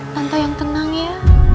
tante yang tenang ya